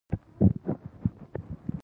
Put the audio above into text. دروازه خلاصوم .